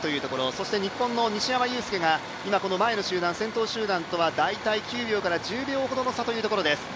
そして日本の西山雄介が今この前の集団、先頭集団とは大体９秒から１０秒ほどの差というところです。